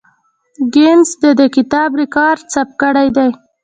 ګینس د دې کتاب ریکارډ ثبت کړی دی.